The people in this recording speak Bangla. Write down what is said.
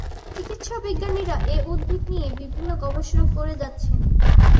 চিকিৎসা বিজ্ঞানীরা এ উদ্ভিদ নিয়ে বিভিন্ন গবেষণা করে যাচ্ছেন।